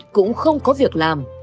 cũng không có việc làm